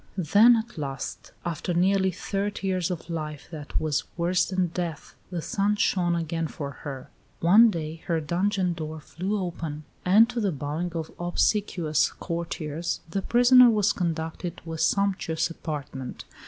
Then at last, after nearly thirty years of life that was worse than death, the sun shone again for her. One day her dungeon door flew open, and to the bowing of obsequious courtiers, the prisoner was conducted to a sumptuous apartment.